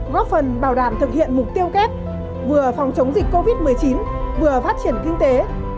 góp phần bảo đảm thực hiện mục tiêu kép vừa phòng chống dịch covid một mươi chín vừa phát triển kinh tế